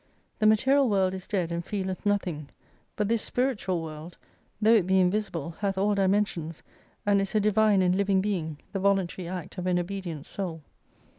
The material world is dead and feeleth nothing, but this spiritual world, 144 though it be invisible, hath all dimensions, and is a divine and living Being, the voluntary Act of an obedient Soul.